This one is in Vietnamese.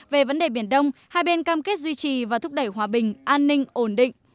về vấn đề biển đông hai bên cam kết duy trì và thúc đẩy hòa bình an ninh ổn định